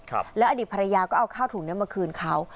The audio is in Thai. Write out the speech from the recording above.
แล้วอดีตภรรยาก็เอาข้าวถุงเนี้ยมาคืนเขา